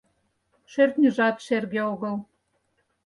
Шӧртньыжат шерге огыл.